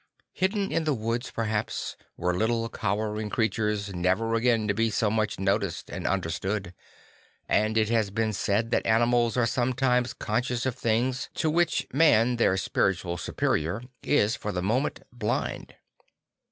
Hidden in the woods perhaps were little cowering creatures never again to be so much noticed and understood; and it has been said that animals are sometimes conscious of things to which man their spiritual superior is for the moment blind.